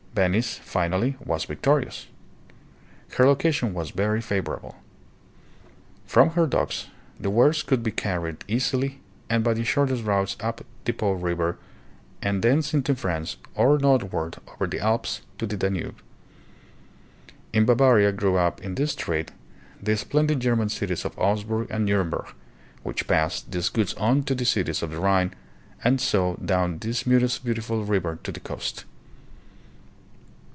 Venice, finally, was victorious. Her location was very favorable. From her docks the wares could be carried easily and by the shortest routes up the Po River and thence into France or northward over the Alps to the Danube. In Bavaria grew up in this trade the splendid German cities of Augsburg and Nuremberg, which passed these goods on to the cities of the Rhine, and so down this most beautiful river to the coast.